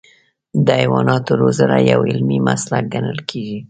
د حیواناتو روزنه یو علمي مسلک ګڼل کېږي.